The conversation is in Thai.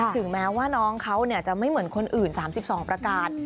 ถึงแม้ว่าน้องเขาจะไม่เหมือนคนอื่น๓๒ประการ